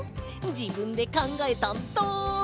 じぶんでかんがえたんだ。